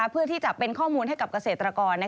เพื่อที่จะเป็นข้อมูลให้กับเกษตรกร